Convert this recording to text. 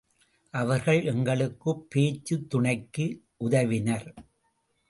அவர்கள் எங்களுக்குப் பேச்சுத் துணைக்கு உதவினர்.